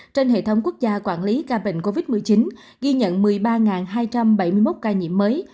trên hệ thống quốc gia quản lý ca bệnh covid một mươi chín ghi nhận một mươi ba hai trăm bảy mươi một ca nhiễm mới